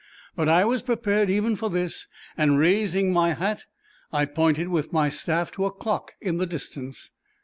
But I was prepared even for this, and raising my hat I pointed with my staff to a clock in the distance.